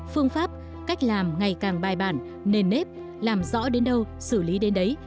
phương pháp cách làm ngày càng bài bản nền nếp làm rõ đến đâu xử lý đến đấy